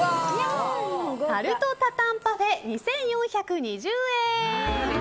タルトタタンパフェ、２４２０円。